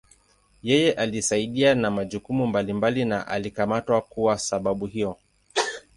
Yeye alisaidia na majukumu mbalimbali na alikamatwa kuwa sababu hiyo.